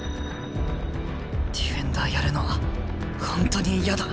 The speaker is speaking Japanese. ディフェンダーやるのは本当に嫌だ。